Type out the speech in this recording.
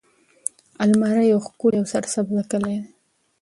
المره يو ښکلی او سرسبزه کلی دی.